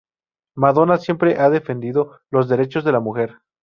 Madonna siempre ha defendido los derechos de la mujer.